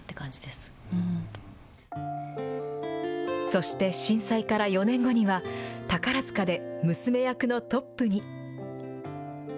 そして震災から４年後には、宝塚で娘役のトップに。